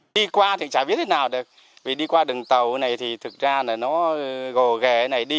đi qua thì chả biết thế nào được vì đi qua đường tàu này thì thực ra là nó gồ ghề này đi